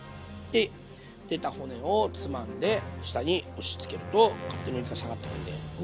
で出た骨をつまんで下に押しつけると勝手にお肉が下がってくんで。